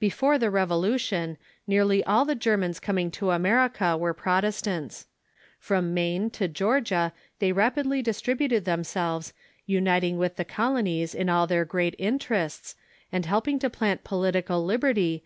Before the Revolution nearly all the Germans coming to America were Protestants. From Maine to Georgia they rapidly distributed themselves, uniting with the colonies in all their great interests, and helping to plant political liberty